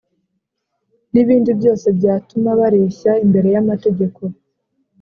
n’ibindi byose byatuma bareshya imbere y’amategeko